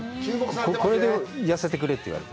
これで痩せてくれって言われた？